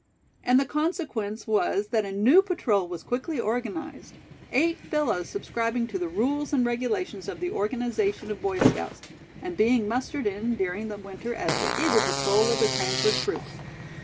And the consequence was that a new patrol was quickly organized, eight fellows subscribing to the rules and regulations of the organization of Boy Scouts, and being mustered in during the winter as the Eagle Patrol of the Cranford Troop.